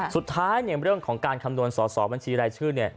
สุดท้ายเนี่ยเรื่องของการคำนวณสอสอบัญชีรายชื่อเนี่ย